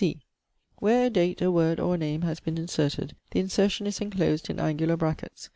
(c) Where a date, a word, or a name has been inserted, the insertion is enclosed in angular brackets